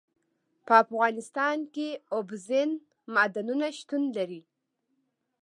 په افغانستان کې اوبزین معدنونه شتون لري.